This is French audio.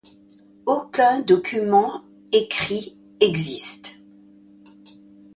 Aucun document écrit existe.